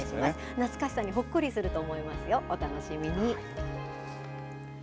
懐かしさにほっこりすると思いますよお楽しみに。